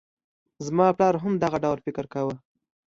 زما پلار هم دغه ډول فکر کاوه.